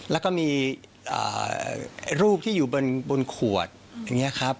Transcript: แล้วก็มีรูปที่อยู่บนขวดอย่างนี้ครับ